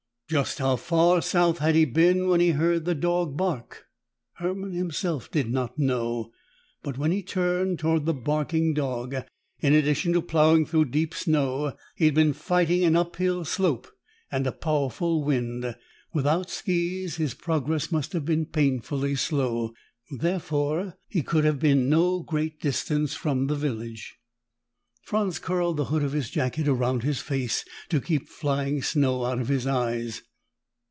Just how far south had he been when he heard the dog bark? Hermann himself did not know. But when he turned toward the barking dog, in addition to plowing through deep snow, he had been fighting an uphill slope and a powerful wind. Without skis, his progress must have been painfully slow. Therefore, he could have been no great distance from the village. Franz curled the hood of his jacket around his face to keep flying snow out of his eyes.